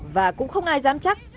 và cũng không ai dám chắc